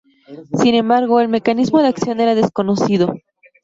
Sin embargo, el mecanismo de acción era desconocido.